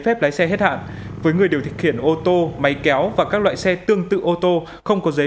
phép lái xe hết hạn với người điều khiển ô tô máy kéo và các loại xe tương tự ô tô không có giấy